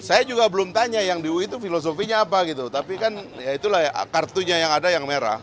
saya juga belum tanya yang di ui itu filosofinya apa gitu tapi kan ya itulah ya kartunya yang ada yang merah